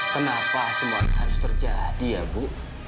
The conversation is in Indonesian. kenapa semua harus terjadi ya bu